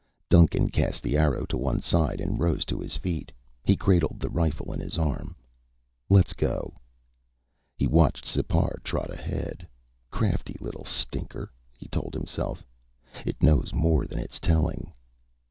Duncan cast the arrow to one side and rose to his feet. He cradled the rifle in his arm. "Let's go." He watched Sipar trot ahead. Crafty little stinker, he told himself. It knows more than it's telling.